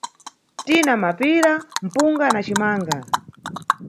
Tina mapira, mpunga na cimanga.